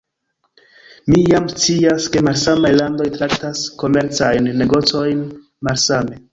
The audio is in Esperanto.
Mi jam scias, ke malsamaj landoj traktas komercajn negocojn malsame